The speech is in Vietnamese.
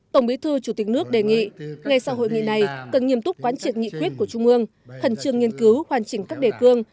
tổng bí thư chủ tịch nước đề nghị ngay sau hội nghị này cần nghiêm túc quán triệt nghị quyết của trung ương khẩn trương nghiên cứu hoàn chỉnh các đề cương